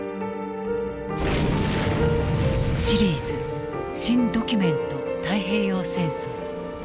シリーズ「新・ドキュメント太平洋戦争」。